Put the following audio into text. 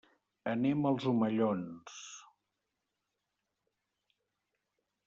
Anem als Omellons.